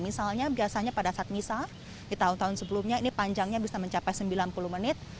misalnya biasanya pada saat misah di tahun tahun sebelumnya ini panjangnya bisa mencapai sembilan puluh menit